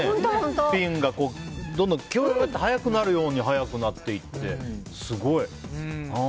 スピンがどんどんキューっと速くなるように速くなっていって。